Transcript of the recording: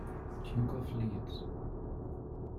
Duke of Leeds.